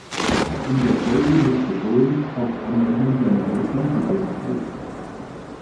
In der Folge musste Owens auf Anweisung seiner Eltern die Band verlassen.